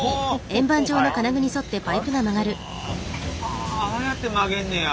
あああやって曲げんねや。